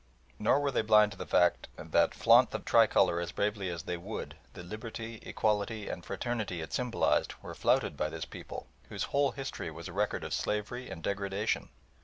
Nor were they blind to the fact that flaunt the tricolour as bravely as they would, the liberty, equality, and fraternity it symbolised were flouted by this people, whose whole history was a record of slavery and degradation.